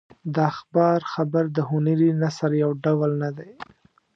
د اخبار خبر د هنري نثر یو ډول نه دی.